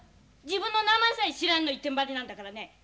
自分の名前さえ「知らん」の一点張りなんだからね。